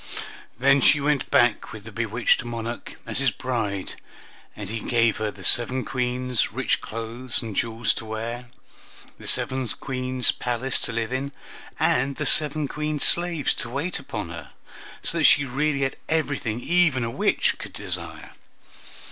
Then she went back with the bewitched Monarch, as his bride, and he gave her the seven Queens' rich clothes and jewels to wear, the seven Queens' palace to live in, and the seven Queens' slaves to wait upon her; so that she really had everything even a witch could desire.